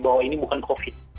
bahwa ini bukan covid